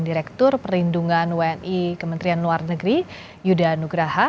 direktur perlindungan wni kementerian luar negeri yuda nugraha